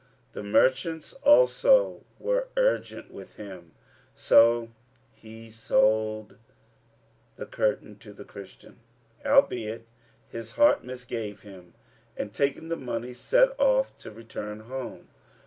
The merchants also were urgent with him; so he sold the curtain to the Christian, albeit his heart misgave him; and, taking the money, set off to return home.